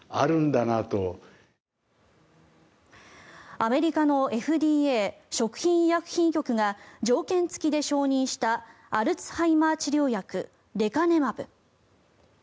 アメリカのＦＤＡ・食品医薬品局が条件付きで承認したアルツハイマー治療薬レカネマブ。